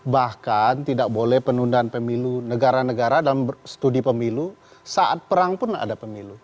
bahkan tidak boleh penundaan pemilu negara negara dalam studi pemilu saat perang pun ada pemilu